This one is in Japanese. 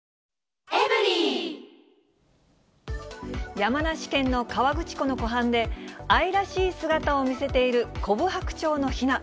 山梨県の河口湖の湖畔で、愛らしい姿を見せているコブハクチョウのひな。